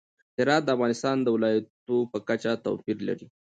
هرات د افغانستان د ولایاتو په کچه توپیر لري.